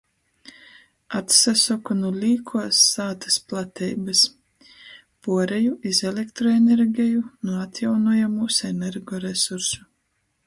Atsasoku nu līkuos sātys plateibys. Puoreju iz elektroenergeju nu atjaunojamūs energoresursu.